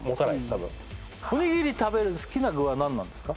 多分おにぎり食べる好きな具は何なんですか？